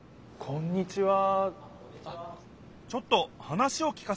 こんにちは。